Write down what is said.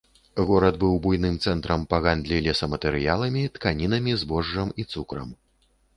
Горад быў буйным цэнтрам па гандлі лесаматэрыяламі, тканінамі, збожжам і цукрам.